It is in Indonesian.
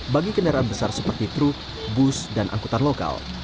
bagi kendaraan besar seperti truk bus dan angkutan lokal